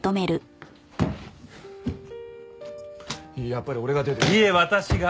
やっぱり俺が出ていく。